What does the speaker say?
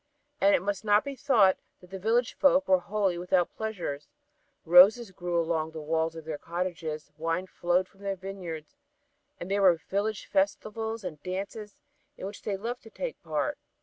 And it must not be thought that the village folk were wholly without pleasures. Roses grew along the walls of their cottages, wine flowed from their vineyards, and there were village festivals and dances in which they loved to take part.